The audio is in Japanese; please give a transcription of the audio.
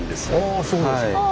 あそうですか。